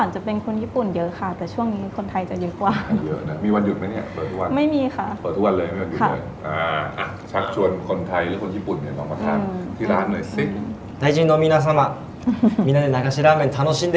ชัลล์ชวนคนไทยหรือคนญี่ปุ่นเนี่ยลองมาข้างที่ร้านหน่อย